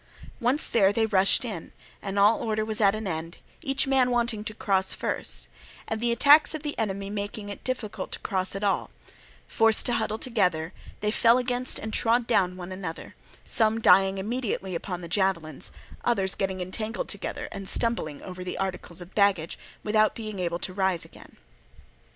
Once there they rushed in, and all order was at an end, each man wanting to cross first, and the attacks of the enemy making it difficult to cross at all; forced to huddle together, they fell against and trod down one another, some dying immediately upon the javelins, others getting entangled together and stumbling over the articles of baggage, without being able to rise again.